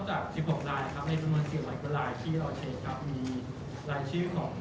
มีหลายชื่อของนักการเมืองอะไรอีก